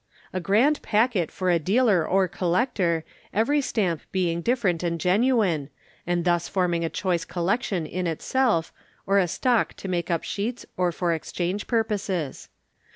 A grand packet for a dealer or collector, every Stamp being different and genuine, and thus forming a choice collection in itself or a stock to make up sheets or for exchange purposes.